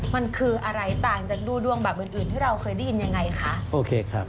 มันคืออะไรต่างจากดูดวงแบบอื่นที่เราเคยได้ยินยังไงค่ะ